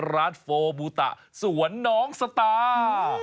ร้านโฟล์บูตะส่วนน้องสตาร์